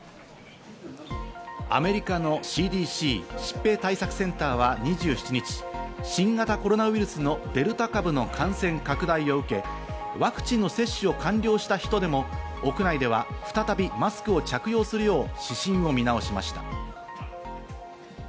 アメリカのＣＤＣ＝疾病対策センターは２７日、新型コロナウイルスのデルタ株の感染拡大を受け、ワクチンの接種を完了した人でも屋内では再びマスクを着用するよう指針を見直しました。